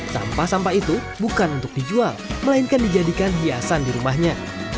sampah sampah itu bukan untuk dijual melainkan dijadikan hiasan di rumahnya